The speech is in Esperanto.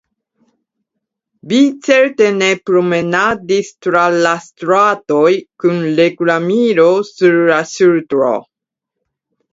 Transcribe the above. Vi certe ne promenadis tra la stratoj kun reklamilo sur la ŝultro?